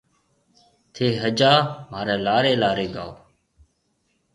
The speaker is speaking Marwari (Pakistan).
ٿَي سجا مهاريَ لاري لاري گائون